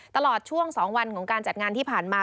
ตลอดช่วง๒วันของการจัดงานที่ผ่านมา